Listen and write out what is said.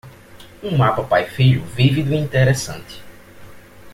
um mapa pai-filho vívido e interessante